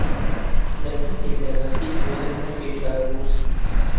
لەکاتێکدا هەرگیز وێنەم نەکێشابوو